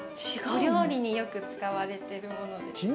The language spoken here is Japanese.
お料理によく使われているものですね。